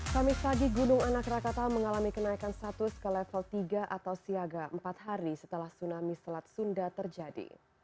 kamis pagi gunung anak rakatau mengalami kenaikan status ke level tiga atau siaga empat hari setelah tsunami selat sunda terjadi